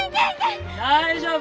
大丈夫。